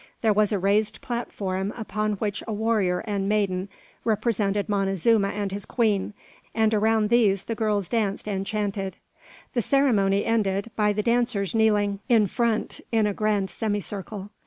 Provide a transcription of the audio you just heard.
There was a raised platform, upon which a warrior and maiden represented Montezuma and his queen, and around these the girls danced and chanted. The ceremony ended by the dancers kneeling in front, in a grand semicircle.